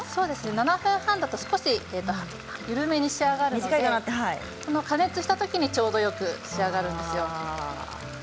７分半だと少し緩めに仕上がるので加熱した時にちょうどよく仕上がるんですよ。